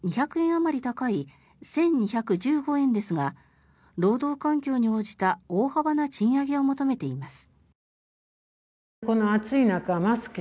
あまり高い１２１５円ですが労働環境に応じた大幅な賃上げを求めています。